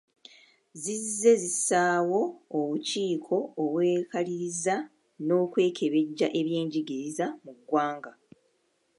Zizze zissaawo obukiiko obwekaliriza n'okwekebejja eby'enjigiriza mu ggwanga.